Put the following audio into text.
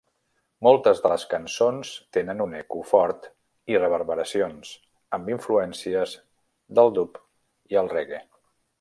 Moltes de les cançons tenen un eco fort i reverberacions, amb influències del dub i el reggae.